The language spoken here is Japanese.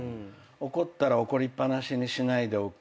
怒ったら怒りっぱなしにしないでおく。